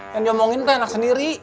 yang nyomongin tuh enak sendiri